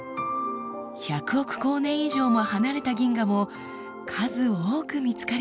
１００億光年以上も離れた銀河も数多く見つかりました。